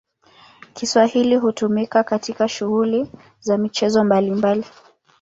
Kiswahili hutumika katika shughuli za michezo mbalimbali.